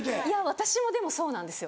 私もでもそうなんですよ。